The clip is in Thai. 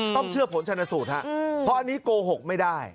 ต้องเชื่อผลชนสูตรฮะเพราะอันนี้โกหกไม่ได้